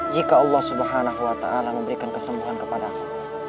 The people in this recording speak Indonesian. jika allah swt memberikan kesembuhan kepada aku